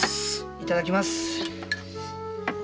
いただきます。